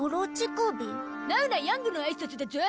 ナウなヤングのあいさつだゾ。